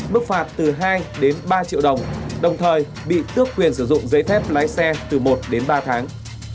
mức phạt từ hai đến ba triệu đồng đồng thời bị tước quyền sử dụng giấy phép lái xe từ một đến ba tháng